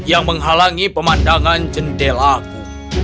yang menghalangi pemandangan jendela ku